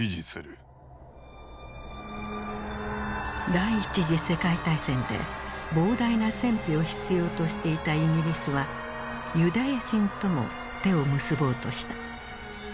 第一次世界大戦で膨大な戦費を必要としていたイギリスはユダヤ人とも手を結ぼうとした。